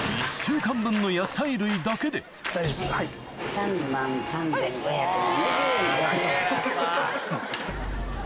３万３５７０円。